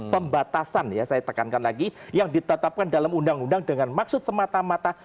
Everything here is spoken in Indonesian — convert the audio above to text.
pembatasan ya saya tekankan lagi yang ditetapkan dalam undang undang dengan maksud semata mata